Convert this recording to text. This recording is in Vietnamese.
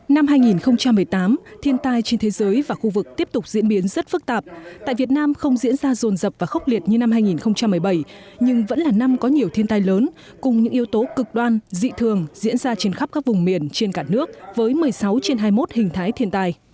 năm hai nghìn một mươi tám thiên tai trên thế giới và khu vực tiếp tục diễn biến rất phức tạp tại việt nam không diễn ra rồn rập và khốc liệt như năm hai nghìn một mươi bảy nhưng vẫn là năm có nhiều thiên tai lớn cùng những yếu tố cực đoan dị thường diễn ra trên khắp các vùng miền trên cả nước với một mươi sáu trên hai mươi một hình thái thiên tai